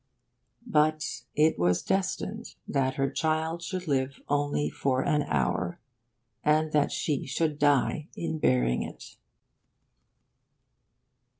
But it was destined that her child should live only for an hour, and that she should die in bearing it.